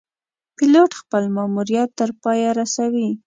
پیلوټ خپل ماموریت تر پایه رسوي.